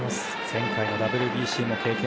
前回のＷＢＣも経験。